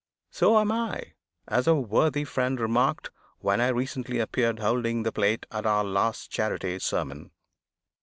So am I, as a worthy friend remarked when I recently appeared holding the plate, at our last charity sermon.